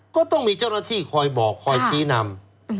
ก็ต้องมีเจ้าหน้าที่คอยบอกคอยชี้นำ